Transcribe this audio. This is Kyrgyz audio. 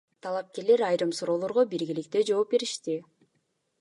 Талапкерлер айрым суроолорго биргеликте жооп беришти.